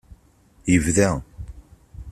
Yebda.